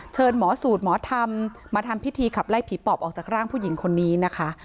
หมอสูตรหมอธรรมมาทำพิธีขับไล่ผีปอบออกจากร่างผู้หญิงคนนี้นะคะ